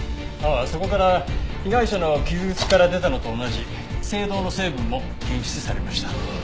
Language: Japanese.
ああそこから被害者の傷口から出たのと同じ青銅の成分も検出されました。